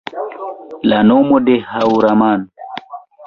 La nomo de Haŭraman